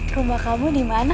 rumah kamu dimana